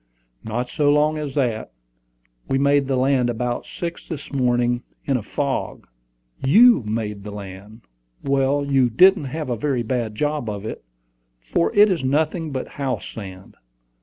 "Not so long as that. We made the land about six this morning, in a fog " "You made the land! Well, you didn't have a very bad job of it, for it is nothing but house sand.